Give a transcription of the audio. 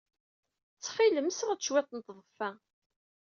Ttxil-m, seɣ-d cwiṭ n tḍeffa.